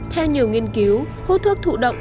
theo nhiều nghiên cứu hút thuốc thụ động